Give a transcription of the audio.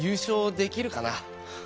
「できるかな？」